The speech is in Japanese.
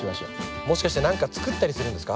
もしかして何か作ったりするんですか？